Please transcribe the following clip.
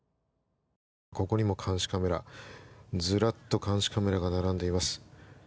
ここにも監視カメラずらっと監視カメラが並んでいます。